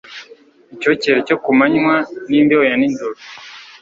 icyokere cyo ku manywa n’imbeho ya nijoro